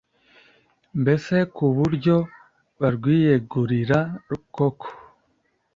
mbese ku buryo barwiyegurira koko.